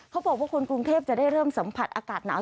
เขาบอกว่าคนกรุงเทพจะได้เริ่มสัมผัสอากาศหนาว